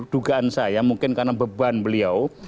dugaan saya mungkin karena beban beliau